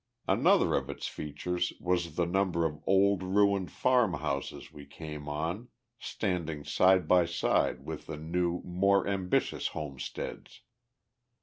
Another of its features was the number of old ruined farmhouses we came on, standing side by side with the new, more ambitious homesteads.